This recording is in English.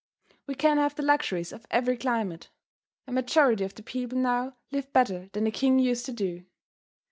We can have the luxuries of every climate. A majority of the people now live better than the king used to do.